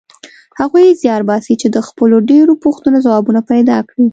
هغوی زیار باسي چې د خپلو ډېرو پوښتنو ځوابونه پیدا کړي.